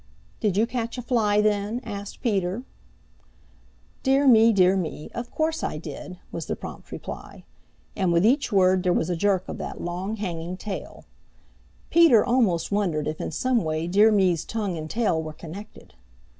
"Did you catch a fly then?" asked Peter. "Dear me! Dear me! Of course I did," was the prompt reply. And with each word there was a jerk of that long hanging tail. Peter almost wondered if in some way Dear Me's tongue and tail were connected.